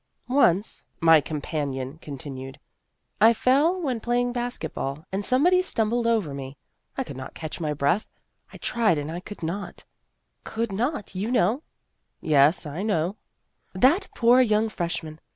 " Once," my companion con tinued, " I fell when playing basket ball, and somebody stumbled over me. I could not catch my breath. I tried, and I could not could not, you know." A Superior Young Woman 191 "Yes, I know." " That poor young freshman